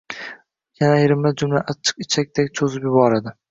Yana ayrimlar jumlani achchiq ichakday cho‘zib yuboradi.